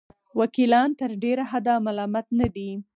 وکیلان تر ډېره حده ملامت نه دي.